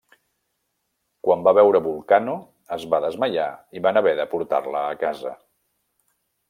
Quan va veure Vulcano es va desmaiar i van haver de portar-la a casa.